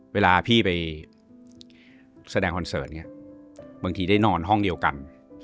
เวลาพี่ไปแสดงคอนเสิร์ตเนี่ยบางทีได้นอนห้องเดียวกัน